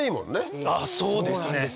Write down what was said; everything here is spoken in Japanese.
そうですね。